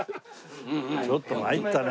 ちょっと参ったね